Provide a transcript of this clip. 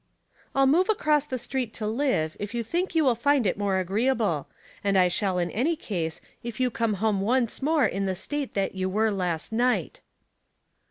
'''* I'll move across the street to live, if you think you will find it more agreeable ; and 1 shall in any case if you come home once more in the state that you were last night."